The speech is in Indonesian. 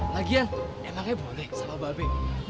lagian emangnya boleh sama mbak beng